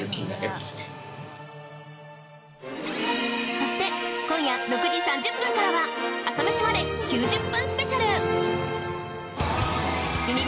そして今夜６時３０分からは『朝メシまで。』９０分スペシャル